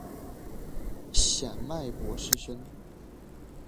显脉柏氏参